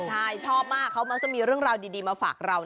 ใช่ชอบมากเขามักจะมีเรื่องราวดีมาฝากเรา